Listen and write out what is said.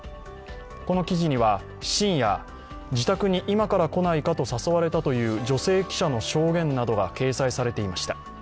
この記事には、深夜、自宅に今から来ないかと誘われたという女性記者の証言などが掲載されていました。